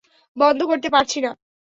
বন্ধ করতে পারছি না!